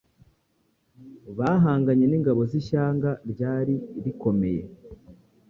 bahanganye n’ingabo z’ishyanga ryari rikomeye